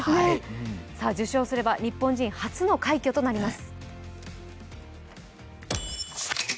受賞すれば日本人初の快挙となります。